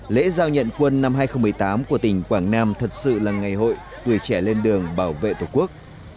lễ giao nhận quân năm hai nghìn một mươi tám của tỉnh quảng nam thật sự là ngày hội tuổi trẻ lên đường bảo vệ tổ quốc